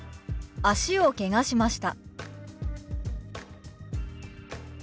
「脚をけがしました」。